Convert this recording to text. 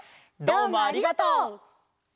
どうもありがとう！